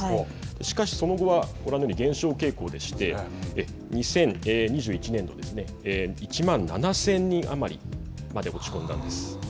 しかし、その後はご覧のように減少傾向でして２０２１年度１万７０００人余りまで落ち込んだんです。